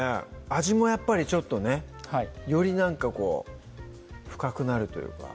味もやっぱりちょっとねよりなんかこう深くなるというか